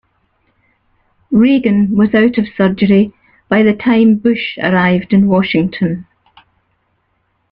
Reagan was out of surgery by the time Bush arrived in Washington.